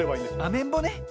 アメンボね。